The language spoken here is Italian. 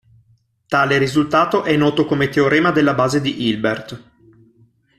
Tale risultato è noto come teorema della base di Hilbert.